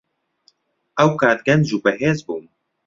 ئەو کات گەنج و بەهێز بووم.